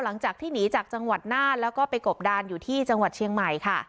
หลังจากที่หนีจากจังหวัดน่านแล้วก็ไปกบดานอยู่ที่จังหวัดเชียงใหม่ค่ะ